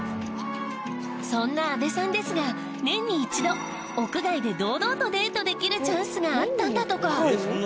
そんなあべさんですが年に一度屋外で堂々とデートできるチャンスがあったんだとか。